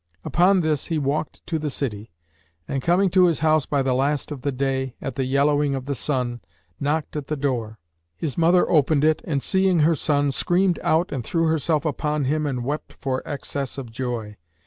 Upon this he walked to the city and, coming to his house by the last of the day, at the yellowing of the sun, knocked at the door. His mother opened it and seeing her son screamed out and threw herself upon him and wept for excess of joy.